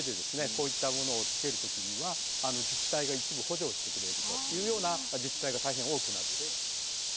こういったものをつける時には自治体が一部補助をしてくれるというような自治体が大変多くなってきています。